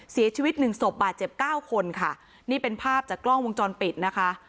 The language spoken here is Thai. เสียชีวิตหนึ่งศพบาดเจ็บเก้าคนค่ะนี่เป็นภาพจากกล้องวงจรปิดนะคะ